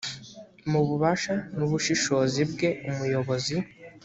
mu bubasha n’ubushishozi bwe umuyobozi